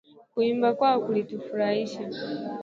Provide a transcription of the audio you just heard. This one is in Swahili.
Kuimba kwao kulitufurahisha